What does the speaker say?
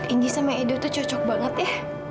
indy sama edo tuh cocok banget ya